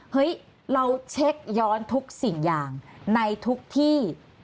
เฮ้ยเราเช็คย้อนทุกสิ่งอย่างในทุกที่